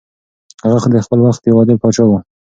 هغه د خپل وخت یو عادل پاچا و.